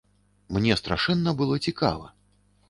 Мне страшэнна было цікава.